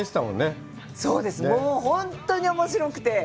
本当におもしろくて。